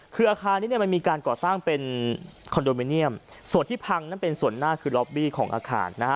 คืออาคารนี้เนี่ยมันมีการก่อสร้างเป็นคอนโดมิเนียมส่วนที่พังนั่นเป็นส่วนหน้าคือล็อบบี้ของอาคารนะฮะ